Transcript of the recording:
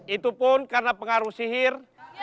itu pun karena pengaruh sihir